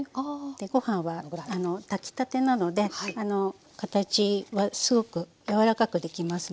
ご飯は炊きたてなので形はすごく柔らかくできますので。